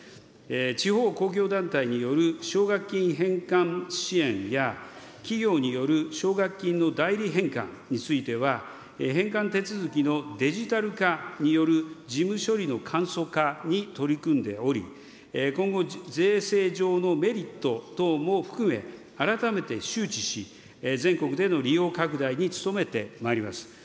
地方公共団体による奨学金返還支援や、企業による奨学金の代理返還については、返還手続きのデジタル化による事務処理の簡素化に取り組んでおり、今後、税制上のメリット等も含め、改めて周知し、全国での利用拡大に努めてまいります。